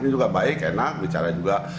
ini juga baik enak bicara juga